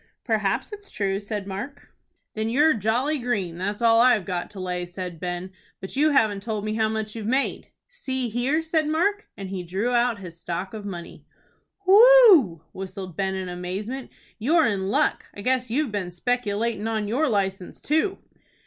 "Perhaps it's true," said Mark. "Then you're jolly green, that's all I've got to lay," said Ben. "But you haven't told me how much you've made." "See here," said Mark, and he drew out his stock of money. "Whew!" whistled Ben, in amazement. "You're in luck. I guess you've been speculatin' on your license too."